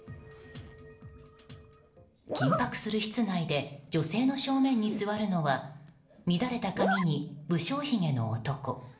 緊迫する室内で女性の正面に座るのは乱れた髪に無精ひげの男。